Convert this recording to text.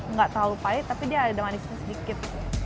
nggak terlalu pahit tapi dia ada manisnya sedikit